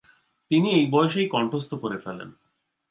তিনি এই বয়সেই কণ্ঠস্থ করে ফেলেন।